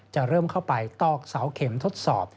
จะเริ่มเข้าไปตอกเสาเข็มทดสอบ